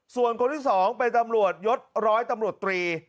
ส่วนคนที่๒เป็นตำรวจยศร้อยตำรวจตรี